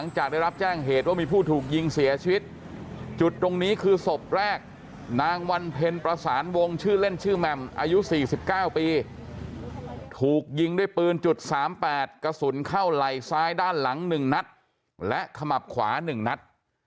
จุดตรงนี้คือศพแรกนางวันเพลินประสานวงชื่อเล่นชื่อแม่มอายุ๔๙ปีถูกยิงด้วยปืนจุด๓๘กระสุนเข้าไหล่ซ้ายด้านหลังหนึ่งนัดและขมับขวาหนึ่งนัด